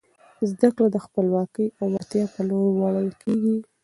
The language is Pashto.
زده کړه د خپلواکۍ او وړتیا په لور وړل کیږي.